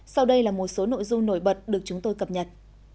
sau đây là một số nội dung nổi bật được chúng tôi cập nhật